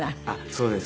そうです。